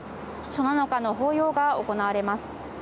初七日の法要が行われます。